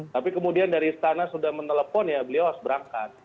tapi kemudian dari istana sudah menelpon ya beliau harus berangkat